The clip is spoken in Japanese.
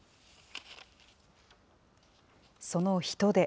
その人出。